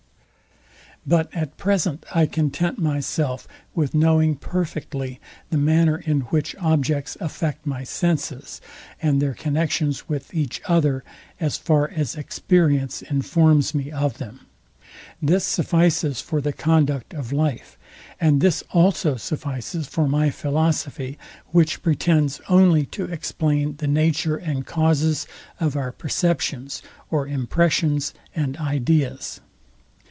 But at present I content myself with knowing perfectly the manner in which objects affect my senses, and their connections with each other, as far as experience informs me of them. This suffices for the conduct of life; and this also suffices for my philosophy, which pretends only to explain the nature and causes of our perceptions, or impressions and ideas.